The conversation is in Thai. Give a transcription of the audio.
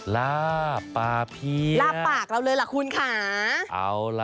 ล่าปลาเพียะล่าปากเราเลยล่ะคุณค่ะ